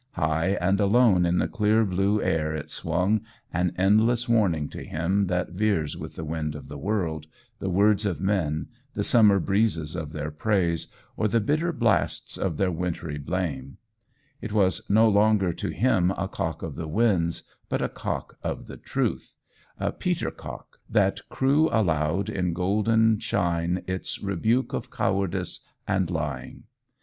High and alone in the clear blue air it swung, an endless warning to him that veers with the wind of the world, the words of men, the summer breezes of their praise, or the bitter blasts of their wintry blame; it was no longer to him a cock of the winds, but a cock of the truth a Peter cock, that crew aloud in golden shine its rebuke of cowardice and lying.